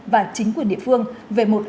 và chính quyền địa phương về một